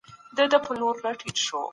خپل کتاب په ښي لاس واخلئ.